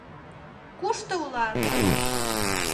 Кушто улат?